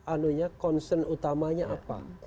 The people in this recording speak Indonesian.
anunya concern utamanya apa